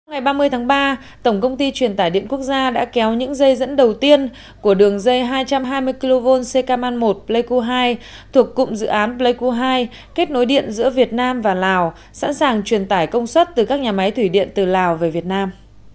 ngày ba mươi tháng ba tổng công ty truyền tải điện quốc gia đã kéo những dây dẫn đầu tiên của đường dây hai trăm hai mươi kv ckman một pleiku hai thuộc cụm dự án pleiku hai kết nối điện giữa việt nam và lào sẵn sàng truyền tải công suất từ các nhà máy thủy điện từ lào về việt nam